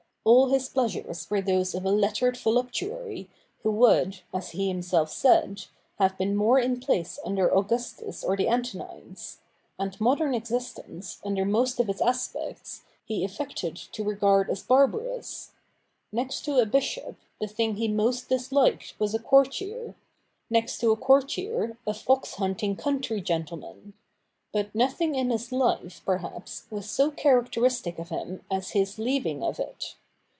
All his pleasures were those of a lettered voluptuary, who would, as he 8 THE NEW REPUBLIC [bk. i himself said, have been more in place under Augustus or the Antonines ; and modern existence, under most of its aspects, he affected to regard as barbarous. Next to a bishop, the thing he most disliked was a courtier ; next to a courtier, a fox hunting country gentleman. But nothing in his life, perhaps, was so characteristic of him as his leaving of it.